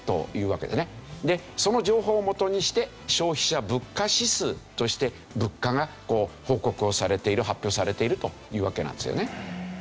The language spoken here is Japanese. その情報をもとにして消費者物価指数として物価が報告をされている発表されているというわけなんですよね。